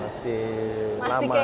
masih lama nih